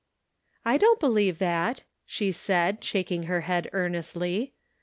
"I don't believe that," she said, shaking her head earnestly.